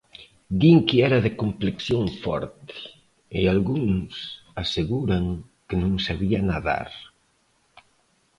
Din que era de complexión forte e algúns aseguran que non sabía nadar.